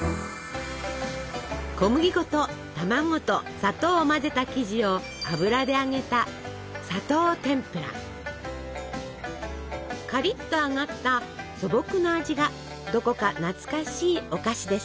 小麦粉と卵と砂糖を混ぜた生地を油で揚げたカリッと揚がった素朴な味がどこか懐かしいお菓子です。